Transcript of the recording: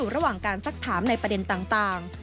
ระหว่างการสักถามในประเด็นต่าง